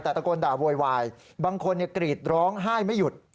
แต่ตะโกนด่าโวยวายบางคนกรีดร้องไห้ไม่หยุด